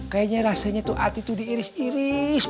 kayaknya rasanya tuh ati diiris iris